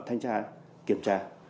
thanh tra kiểm tra